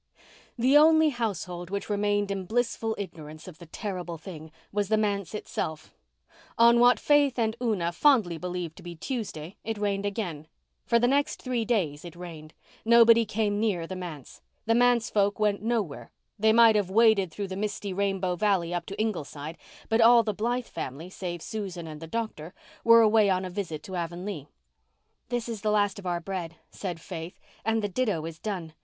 The only household which remained in blissful ignorance of the terrible thing was the manse itself; on what Faith and Una fondly believed to be Tuesday it rained again; for the next three days it rained; nobody came near the manse; the manse folk went nowhere; they might have waded through the misty Rainbow Valley up to Ingleside, but all the Blythe family, save Susan and the doctor, were away on a visit to Avonlea. "This is the last of our bread," said Faith, "and the ditto is done.